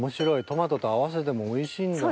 トマトと合わせてもおいしいんだ。